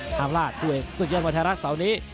ห้ามราชผู้เอกสุดยอดประธานรัฐเสาร์นี้